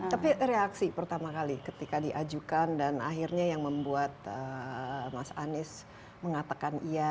tapi reaksi pertama kali ketika diajukan dan akhirnya yang membuat mas anies mengatakan iya